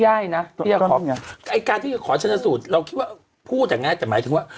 ย่ายนะพี่ไอ้การที่จะขอชนะสูตรเราคิดว่าพูดอย่างเงี้ยแต่หมายถึงว่า